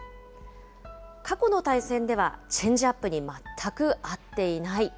過去の対戦では、チェンジアップにまったく合っていない。